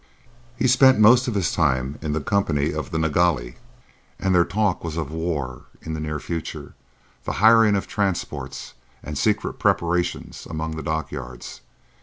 He spent most of his time in the company of the Nilghai, and their talk was of war in the near future, the hiring of transports, and secret preparations among the dockyards.